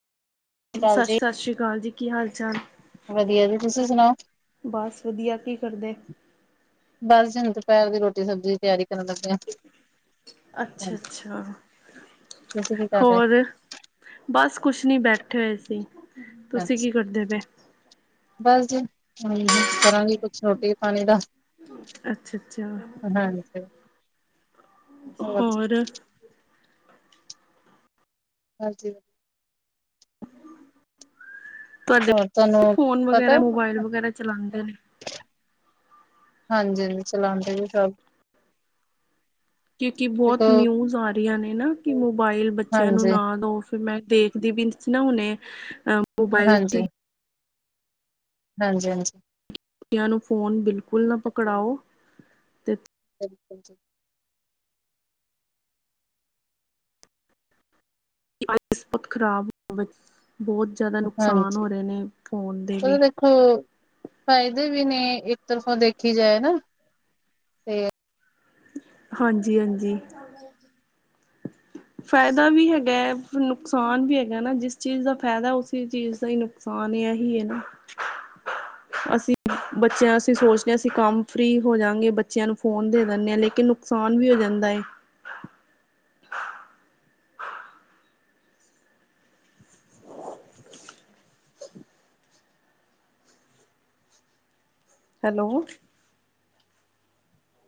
ਸ਼੍ਰੀ ਅਕਾਲ ਜੀ ਸਤਿ ਸ਼੍ਰੀ ਅਕਾਲ ਜੀ। ਕੀ ਹਾਲ-ਚਾਲ। ਵਧੀਆ ਜੀ ਤੁਸੀਂ ਸੁਣਾਓ ਬਸ ਵਧੀਆ। ਕੀ ਕਰਦੇ? ਬਸ ਜੀ। ਹੁਣ ਦੁਪਹਿਰ ਦੀ ਰੋਟੀ-ਸਬਜ਼ੀ ਦੀ ਤਿਆਰੀ ਕਰਨ ਦਾ। ਅੱਛਾ, ਅੱਛਾ ਤੁਸੀਂ ਕੀ ਕਰ ਹੋਰ। ਬਸ ਕੁਛ ਨੀ ਬੈਠੇ ਹੋਏ ਸੀ। ਰਹੇ ਤੁਸੀਂ ਕੀ ਕਰਦੇ ਪਏ? ਬਸ ਜੀ ਹੂੰ, ਕਰਾਂਗੀ ਕੁਛ ਰੋਟੀ-ਪਾਣੀ ਦਾ। ਅੱਛਾ ਅੱਛਾ ਹਾਂਜੀ, ਹੋਰ। ਹਾਂਜੀ। ਤੁਹਾਡੇ ਹੋਰ ਤੁਹਾਨੂੰ ਫੋਨ ਪਤਾ। ਵਗੈਰਾ ਮੋਬਾਇਲ ਵਗੈਰਾ ਚਲਾਉਂਦੇ ਨੇ ਹਾਂਜੀ ਹਾਂਜੀ ਚਲਾਉਂਦੇ ਨੇ ਸਭ। ਕਿਉਂਕਿ ਬਹੁਤ ਦੇਖੋ। ਨਿਊਜ਼ ਆ ਰਹੀਆਂ ਨੇ ਨਾਂ। ਕਿ ਮੋਬਾਇਲ ਬੱਚਿਆਂ ਨੂੰ ਹਾਂਜੀ ਨਾਂ ਦੋਵੋਂ। ਫੇਰ ਮੈਂ ਦੇਖਦੀ ਵੀ ਸੀ ਨਾਂ। ਹੁਣੇ ਅ ਮੋਬਾਇਲ ਹਾਂਜੀ ਸੀ। ਹਾਂਜੀ ਹਾਂਜੀ। ਬੱਚੀਆਂ ਨੂੰ ਫ਼ੋਨ ਬਿਲਕੁਲ ਨਾਂ ਪਕੜਾਓ। ਤੇ ਹਿਲਕ। ਤੇਂ ਖ਼ਰਾਬ ਹੋ ਬਹੁਤ ਜ਼ਿਆਦਾ ਨੁਕਸਾਨ ਹੋ ਰਹੇ ਨੇ। ਫੋਨ ਦੇ ਵੀਂ ਹੋ ਫਾਇਦੇ ਵੀ ਨੇ। ਇੱਕ ਤਰਫੋਂ ਦੇਖੀ ਜਾਏ ਨਾਂ। ਹਾਂਜੀ- ਹਾਂਜੀ। ਫਾਇਦਾ ਵੀ ਹੈਗਾ ਹੈ, ਨੁਕਸਾਨ ਵੀ ਹੈਗਾ ਨਾ, ਜਿਸ ਚੀਜ਼ ਦਾ ਫਾਇਦਾ, ਉਸੇ ਚੀਜ਼ ਦਾ ਨੁਕ ਸਾਨ ਇ ਹੀ ਹੈ ਨਾ। ਅਸੀਂ ਬੱਚਿਆਂ ਅਸੀਂ ਸੋਚਦੇ ਹਾਂ ਅਸੀਂ ਕੰਮ ਫ੍ਰੀ ਹੋ ਜਾਂਗੇ, ਬੱਚਿਆਂ ਨੂੰ ਫੋਨ ਦਿੰਦੇ ਹਾਂ, ਲੇਕਿਨ ਅਸਾਨ ਵੀ ਹੋ ਜਾਂਦਾ ਏ। ਹੈਲੋ!